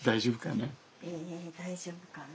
大丈夫かな？